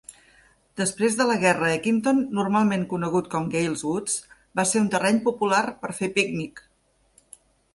Després de la guerra, Eckington, normalment conegut com Gales Woods, va ser un terreny popular per fer pícnic.